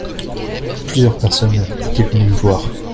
Plusieurs personnes étaient venues me voir.